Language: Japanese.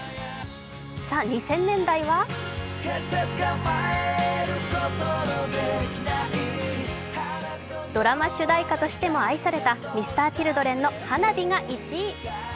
さぁ、２０００年代はドラマ主題歌としても愛されたＭｒ．Ｃｈｉｌｄｒｅｎの「ＨＡＮＡＢＩ」が１位。